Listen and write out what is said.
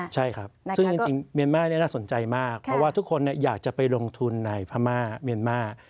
ใช่ครับซึ่งจริงเมียนมาร์นี่น่าสนใจมากเพราะว่าทุกคนอยากจะไปลงทุนในพม่าเมียนมาร์